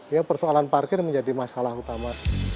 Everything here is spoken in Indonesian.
ya persoalan parkir menjadi masalah utama